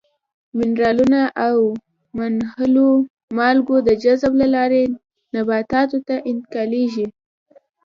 منرالونه او منحلو مالګو د جذب له لارې نباتاتو ته انتقالیږي.